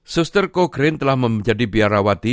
sister cochrane telah menjadi biarawati